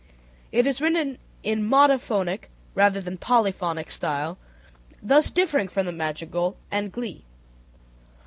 It is written in monophonic rather than in polyphonic style, thus differing from the madrigal and glee.